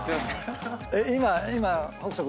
今北斗君